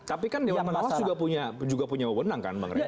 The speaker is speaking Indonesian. tapi kan dewan pengawas juga punya wewenang kan bang rey